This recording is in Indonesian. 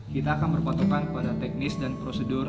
kita akan merpotokkan kepada teknis dan prosedur